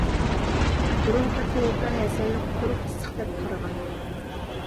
بۇرۇنقى تېۋىپلار ھەسەلنى قۇرۇق ئىسسىق دەپ قارىغان.